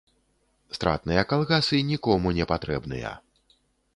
Стратныя калгасы нікому не патрэбныя.